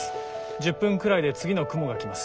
１０分くらいで次の雲が来ます。